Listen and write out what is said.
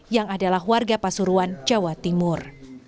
yang adalah warga pasuruan jawa timur